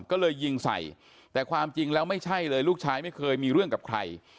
ก็เลยยิงใส่แต่ความจริงแล้วไม่ใช่เลยลูกชายไม่เคยมีเรื่องกับใคร